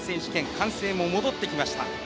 歓声も戻ってきました。